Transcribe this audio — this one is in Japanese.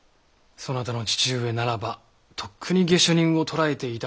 「そなたの父上ならばとっくに下手人を捕らえていただろう」なんてね。